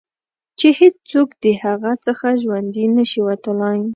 چې هېڅوک د هغه څخه ژوندي نه شي وتلای.